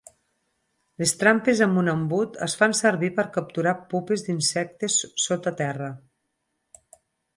Les trampes amb un embut es fan servir per capturar pupes d'insectes sota terra.